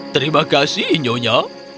terima kasih inyonya